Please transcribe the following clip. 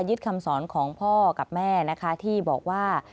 คำสอนของพ่อกับแม่นะคะที่บอกว่า